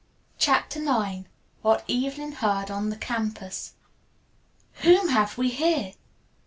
CHAPTER IX WHAT EVELYN HEARD ON THE CAMPUS "Ha! Whom have we here?"